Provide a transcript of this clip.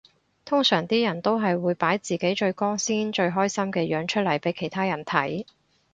通常啲人都係會擺自己最光鮮最開心嘅樣出嚟俾其他人睇